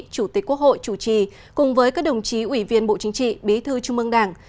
chủ tịch quốc hội chủ trì cùng với các đồng chí ủy viên bộ chính trị bí thư trung mương đảng